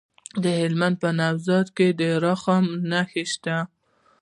د هلمند په نوزاد کې د رخام نښې شته.